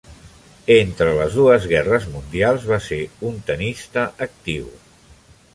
Entre les dues guerres mundials, va ser un tennista actiu.